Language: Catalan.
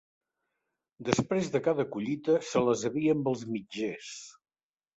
Després de cada collita se les havia amb els mitgers.